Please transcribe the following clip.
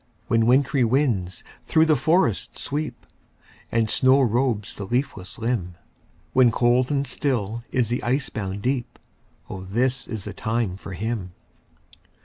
When wintry winds thro' the forests sweep, And snow robes the leafless limb; When cold and still is the ice bound deep, O this is the time for him.